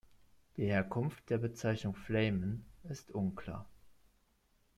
Die Herkunft der Bezeichnung "flamen" ist unklar.